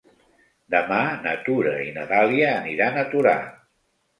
Demà na Tura i na Dàlia aniran a Torà.